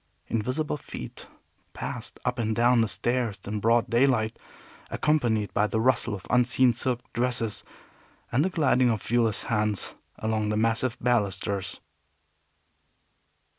Invisible feet passed up and down the stairs in broad daylight, accompanied by the rustle of unseen silk dresses, and the gliding of viewless hands along the massive balusters.